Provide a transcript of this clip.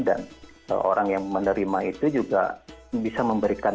dan orang yang menerima itu juga bisa memberikan barang